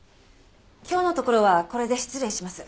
今日のところはこれで失礼します。